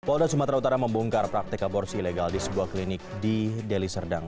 polda sumatera utara membongkar praktek aborsi ilegal di sebuah klinik di deli serdang